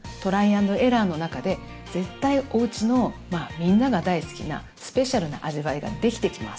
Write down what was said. アンドエラーの中で絶対おうちのみんなが大好きなスペシャルな味わいができてきます。